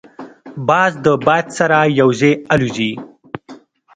باز د باد سره یو ځای الوزي